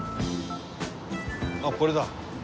あっこれだ。